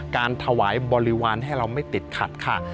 การถวายบริวารให้เราไม่ติดขัดค่ะ